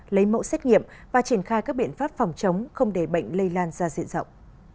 lấy mẫu xét nghiệm và triển khai các biện pháp phòng chống không để bệnh lây lan ra diện rộng